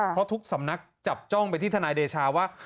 เพราะทุกสำนักจับจ้องไปที่ทนายเดชาว่า